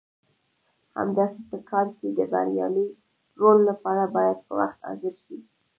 همداسې په کار کې د بریالي رول لپاره باید په وخت حاضر شئ.